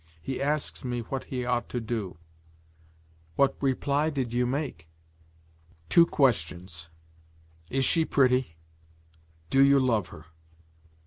He asks me what he ought to do." "What reply did you make?" "Two questions: Is she pretty? Do you love her?